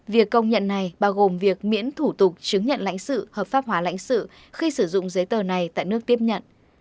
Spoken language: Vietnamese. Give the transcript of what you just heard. việc công nhận này bao gồm việc miễn thủ tục chứng nhận lãnh sự hợp pháp hóa lãnh sự khi sử dụng giấy tờ này tại nước tiếp nhận